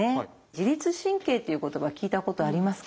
自律神経っていう言葉聞いたことありますか？